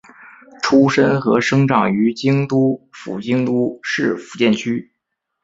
出身和生长于京都府京都市伏见区。